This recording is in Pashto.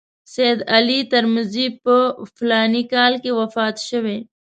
سید علي ترمذي په فلاني کال کې وفات شوی.